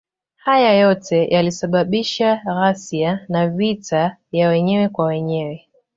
Hayo yote yalisababisha ghasia na vita ya wenyewe kwa wenyewe.